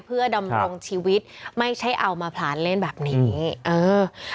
เพื่อดำรงชีวิตไม่ใช่เอามาผลานเล่นแบบนี้เออ